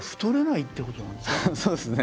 そうですね。